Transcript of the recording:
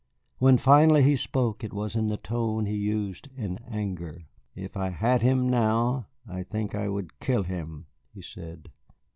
When finally he spoke it was in the tone he used in anger. "If I had him now, I think I would kill him," he said.